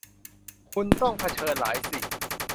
คุณต้องเผชิญหลายสิ่ง